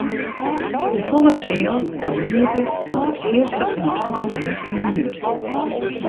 De folle seal geniete fan de earste oant de lêste minút.